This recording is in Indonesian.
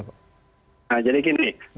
nah jadi gini